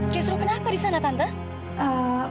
justru kenapa di sana tante